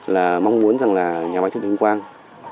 là mong muốn rằng là nhà máy thượng tướng ương quan